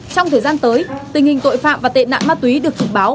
trong thời gian tới tình hình tội phạm và tệ nạn ma túy được dự báo